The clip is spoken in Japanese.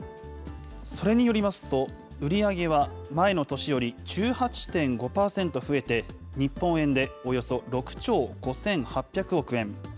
それによりますと、売り上げは前の年より１８．５％増えて、日本円でおよそ６兆５８００億円。